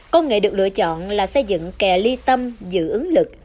công nghệ được lựa chọn là xây dựng kè ly tâm dự ứng lực